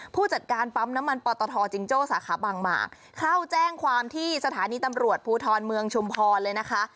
ผู้จัดการปั๊มน้ำมันปตทจิงโจ้สาขาบางหมากเข้าแจ้งความที่สถานีตำรวจภูทรเมืองชุมพรเลยนะคะ